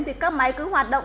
thì các máy cứ hoạt động